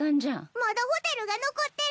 まだホテルが残ってる。